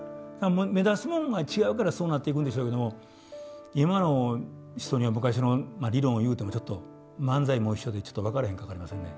目指すものが違うからそうなっていくんでしょうけども今の人には昔の理論を言うてもちょっと漫才も一緒でちょっと分からへんか分かりませんね。